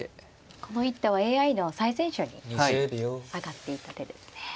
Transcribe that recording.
この一手はＡＩの最善手に挙がっていた手ですね。